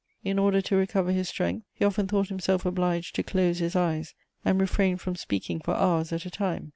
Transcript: In order to recover his strength, he often thought himself obliged to close his eyes and refrain from speaking for hours at a time.